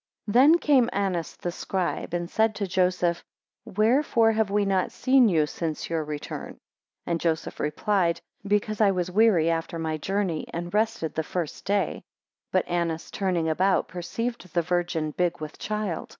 THEN came Annas the scribe, and said to Joseph, Wherefore have we not seen you since your return? 2 And Joseph replied, Because I was weary after my journey, and rested the first day. 3 But Annas turning about perceived the Virgin big with child.